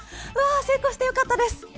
成功して良かったです。